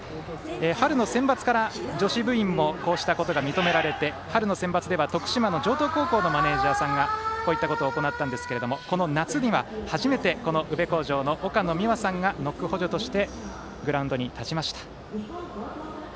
春のセンバツから、女子部員もこうしたことが認められて春のセンバツでは徳島の城東高校のマネージャーがこういったことを行ったんですが今回は、花巻東の岡野美和さんがノック補助としてグラウンドに立ちました。